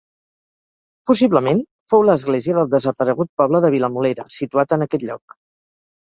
Possiblement fou l'església del desaparegut poble de Vilamolera, situat en aquest lloc.